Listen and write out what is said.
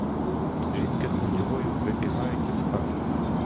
Жінки з нудьгою вибігають із хат.